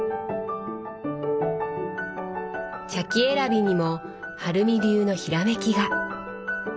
茶器選びにも春美流のひらめきが。